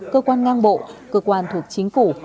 cơ quan ngang bộ cơ quan thuộc chính phủ